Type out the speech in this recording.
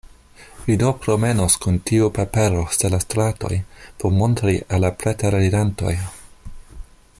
Vi do promenos kun tiu papero sur la stratoj por montri al la preterirantoj?